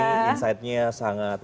insidenya sangat membantu kita